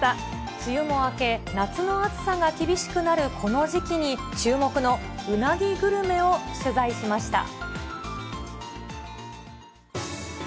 梅雨も明け、夏の暑さが厳しくなるこの時期に注目のうなぎグルメを取材しました。